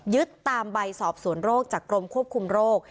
ตามใบสอบสวนโรคจากกรมควบคุมโรค